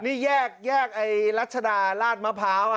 นี่แยกรัชดาลาดมะพร้าว